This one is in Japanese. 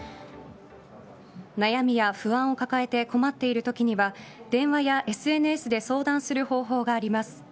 悩みや不安を抱えて困っている時には電話やＳＮＳで相談する方法があります。